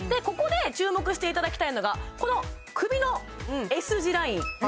ここで注目していただきたいのがこの首のＳ字ライン